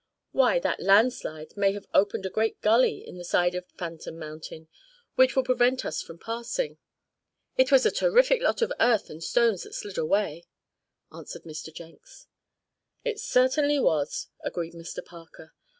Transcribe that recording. "Why, that landslide may have opened a great gully in the side of Phantom Mountain, which will prevent us from passing. It was a terrific lot of earth and stones that slid away," answered Mr. Jenks. "It certainly was," agreed Mr. Parker.